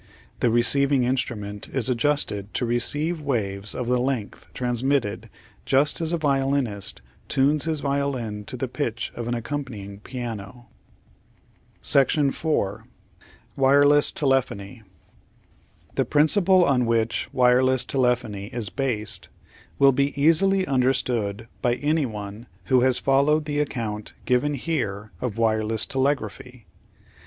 The receiving instrument is adjusted to receive waves VOL. Ill 18 838 The Outline of Science of the length transmitted just as a violinist tunes his violin to the pitch of an accompanying piano. Wireless Telephony The principle on which wireless telephony is based will be easily understood by anyone who has followed the account given here of wireless telegraphy.